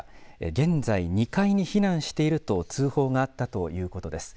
現在２階に避難していると通報があったということです。